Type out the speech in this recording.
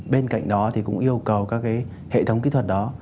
bên cạnh đó thì cũng yêu cầu các hệ thống kỹ thuật đó